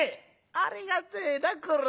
ありがてえなこらええ。